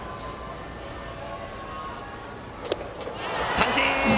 三振！